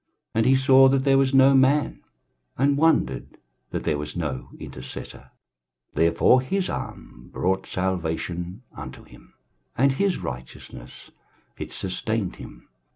23:059:016 And he saw that there was no man, and wondered that there was no intercessor: therefore his arm brought salvation unto him; and his righteousness, it sustained him.